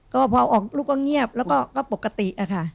ก็พอออกลูกก็เงียบแล้วก็ปกติอะค่ะ